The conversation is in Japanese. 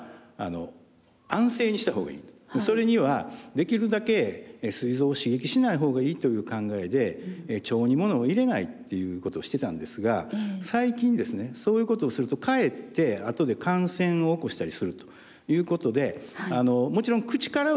それにはできるだけすい臓を刺激しないほうがいいという考えで腸にものを入れないっていうことをしてたんですが最近ですねそういうことをするとかえってあとで感染を起こしたりするということでもちろん口からはですね